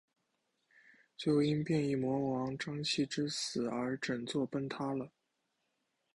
最后因变异魔王膻气之死而整座崩塌了。